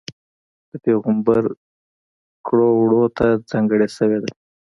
د پېغمبر کړو وړوته ځانګړې شوې ده.